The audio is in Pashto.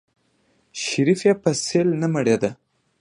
شريف يې په سيل نه مړېده.